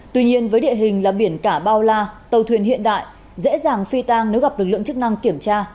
tuy nhiên với địa hình là biển cả bao la tàu thuyền hiện đại dễ dàng phi tang nếu gặp lực lượng chức năng kiểm tra